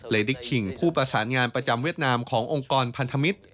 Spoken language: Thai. ดิ๊กขิงผู้ประสานงานประจำเวียดนามขององค์กรพันธมิตร